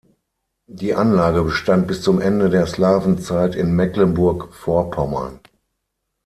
Die Anlage bestand bis zum Ende der Slawenzeit in Mecklenburg-Vorpommern.